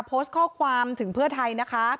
โพสต์ข้อความถึงเพื่อไทยนะคะ